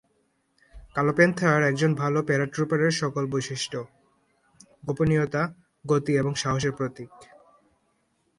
কালো প্যান্থার একজন ভাল প্যারাট্রুপারের সকল বৈশিষ্ট্য, গোপনীয়তা, গতি এবং সাহসের প্রতীক।